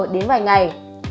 đến vài ngày